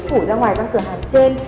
phủ ra ngoài răng cửa hàm trên